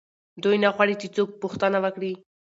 دوی نه غواړي چې څوک پوښتنه وکړي.